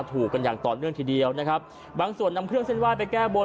ถูกกันอย่างต่อเนื่องทีเดียวนะครับบางส่วนนำเครื่องเส้นไห้ไปแก้บน